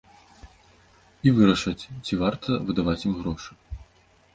І вырашаць, ці варта выдаваць ім грошы.